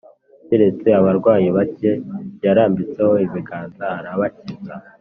keretse abarwayi bake yarambitseho ibiganza, arabakiza.